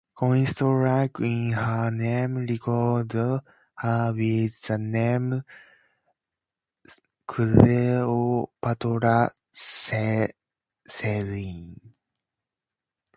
Coins struck in her name record her with the name Cleopatra Selene.